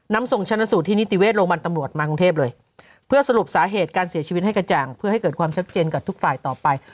นำส่งชนะสูตรที่นิติเวชโรงพยาบาลตำรวจมากรุงเทพเลยเพื่อสรุปสาเหตุการเสียชีวิตให้กระจ่างเพื่อให้เกิดความชัดเจนกับทุกฝ่ายต่อไป